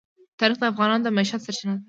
تاریخ د افغانانو د معیشت سرچینه ده.